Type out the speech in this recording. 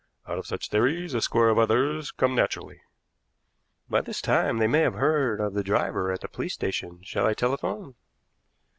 Out of such theories a score of others come naturally." "By this time they may have heard of the driver at the police station. Shall I telephone?"